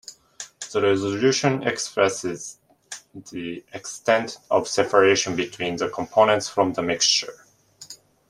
The resolution expresses the extent of separation between the components from the mixture.